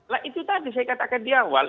lah itu tadi saya katakan di awal